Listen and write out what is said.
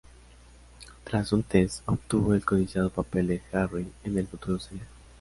Tras un test, obtuvo el codiciado papel de Harry en el futuro serial.